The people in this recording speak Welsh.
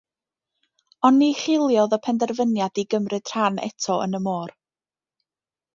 Ond ni chiliodd y penderfyniad i gymryd rhan eto yn y môr.